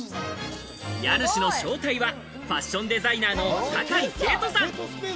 家主の正体は、ファッションデザイナーの酒井景都さん。